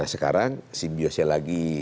nah sekarang simbiose lagi